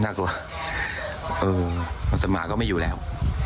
น่ากลัวเออแต่หมาก็ไม่อยู่แล้ว